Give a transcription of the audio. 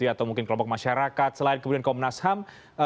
atau mungkin kelompok masyarakat selain komunas ham